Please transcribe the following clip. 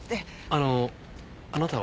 あのあなたは？